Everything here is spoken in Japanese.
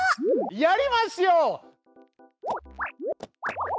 やりますよ！